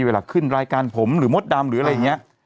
เวลาขึ้นรายการผมหรือมดดำหรืออะไรอย่างนี้